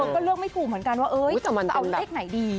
ก็เลือกไม่ถูกเหมือนกันว่าจะเอาเลขไหนดี